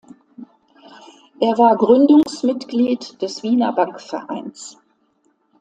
Er war Gründungsmitglied des Wiener Bankvereins.